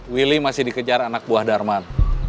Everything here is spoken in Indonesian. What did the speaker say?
willy masih dikejar anak buah darman